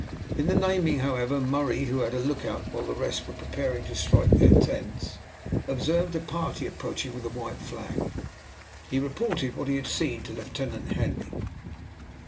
In the naming, however, Murray, who had the lookout while the rest were preparing to strike their tents, observed a party approaching with a white flag. He reported what he had seen to Lieutenant Hemming.